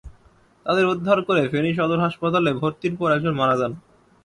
তাঁদের উদ্ধার করে ফেনী সদর হাসপাতালে ভর্তির পর একজন মারা যান।